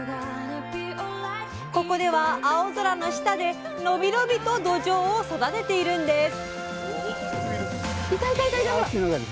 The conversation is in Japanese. ここでは青空の下で伸び伸びとどじょうを育てているんです。